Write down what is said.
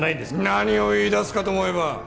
何を言い出すかと思えば。